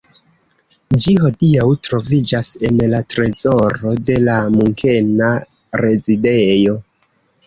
Ĝi hodiaŭ troviĝas en la trezoro de la Munkena Rezidejo.